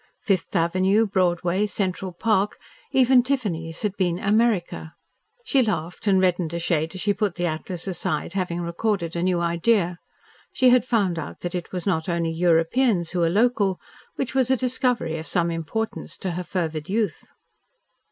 Fifth Avenue Broadway, Central Park, even Tiffany's had been "America." She laughed and reddened a shade as she put the atlas aside having recorded a new idea. She had found out that it was not only Europeans who were local, which was a discovery of some importance to her fervid youth.